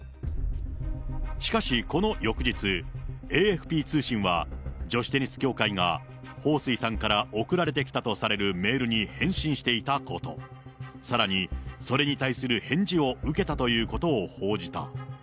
しかし、この翌日、ＡＦＰ通信は女子テニス協会が、彭帥さんから送られてきたとされるメールに返信していたこと、さらにそれに対する返事を受けたということを報じた。